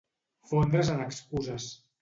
Fondre's en excuses.